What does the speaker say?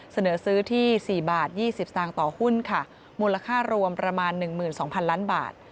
เสนอซื้อที่๔บาท๒๐สตางค์ต่อหุ้นค่ะมูลค่ารวมประมาณ๑๒๐๐๐ล้านบาท